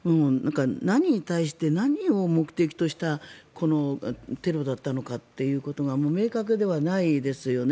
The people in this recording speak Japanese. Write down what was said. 何に対して、何を目的としたこのテロだったのかということが明確ではないですよね。